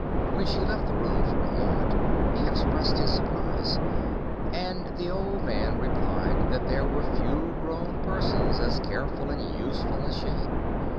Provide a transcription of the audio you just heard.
When she left the room for a moment he expressed his surprise, and the old man replied that there were few grown persons as careful and useful as she.